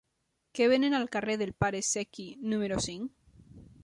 Què venen al carrer del Pare Secchi número cinc?